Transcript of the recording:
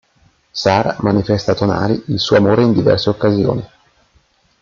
Sara manifesta a Tonali il suo amore in diverse occasioni.